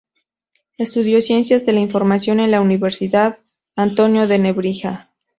Estudió Ciencias de la Información en la Universidad Antonio de Nebrija.